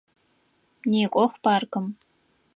Некӏох паркым!